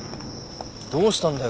どうしたんだよ？